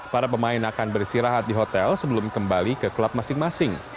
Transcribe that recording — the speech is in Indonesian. para pemain akan beristirahat di hotel sebelum kembali ke klub masing masing